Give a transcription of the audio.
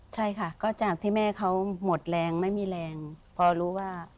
ใช่ค่ะก็จากที่แม่เขาหมดแรงไม่มีแรงพอรู้ว่า